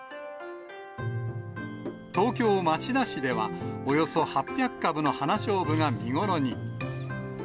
東京・町田市では、およそ８００株の花しょうぶが見頃に。